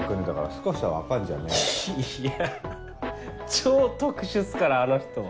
超特殊っすからあの人は。